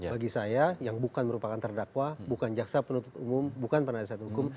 bagi saya yang bukan merupakan terdakwa bukan jaksa penuntut umum bukan penasihat hukum